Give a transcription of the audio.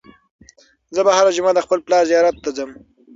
زه به هره جمعه د خپل پلار زیارت ته ځم.